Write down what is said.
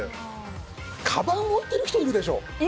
かばん持ってる人いるでしょ。